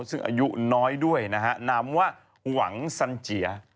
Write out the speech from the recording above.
ซึ่งอายุน้อยด้วยนะฮะนามว่าหวังสันเจีย